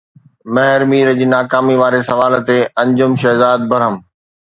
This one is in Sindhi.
مهر مير جي ناڪامي واري سوال تي انجم شهزاد برهم